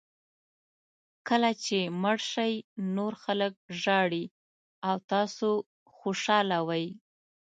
کله چې مړ شئ نور خلک ژاړي او تاسو خوشاله وئ.